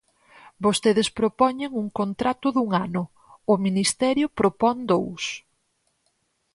Vostedes propoñen un contrato dun ano, o Ministerio propón dous.